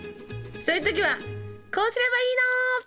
そういう時はこうすればいいの！